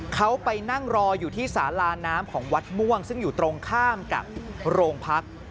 เขาไปนั่งรออยู่ที่สาลาน้ำของวัดม่วงซึ่งอยู่ตรงข้ามกับโรงพัก